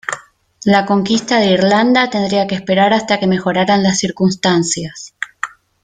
La conquista de Irlanda tendría que esperar hasta que mejoraran las circunstancias.